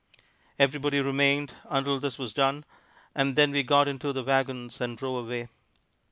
Everybody remained until this was done, and then we got into the wagons and drove away.